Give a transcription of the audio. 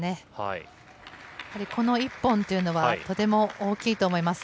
やはりこの一本というのはとても大きいと思います。